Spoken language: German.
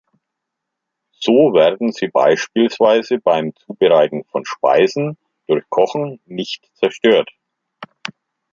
So werden sie beispielsweise beim Zubereiten von Speisen durch Kochen nicht zerstört.